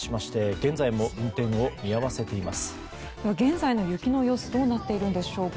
現在の雪の様子どうなっているんでしょうか。